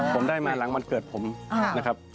ผมได้มาหลังวันเกิดผมนะครับ